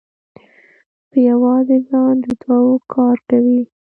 په یوازې ځان د دوو کار کوي.